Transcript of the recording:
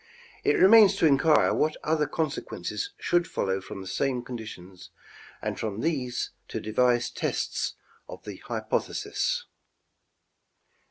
It remains to inquire what other consequences should follow from the same conditions, and from these to devise tests of the hypothesis.